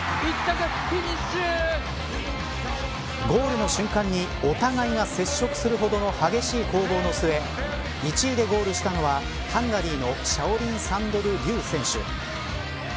ゴールの瞬間にお互いが接触するほどの激しい攻防の末１位でゴールしたのはハンガリーのシャオリン・サンドル・リュー選手。